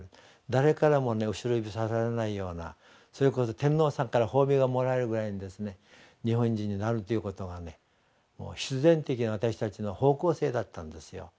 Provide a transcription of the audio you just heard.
誰からも後ろ指さされないようなそれこそ天皇さんから褒美がもらえるぐらいにですね日本人になるということが必然的に私たちの方向性だったんですよ。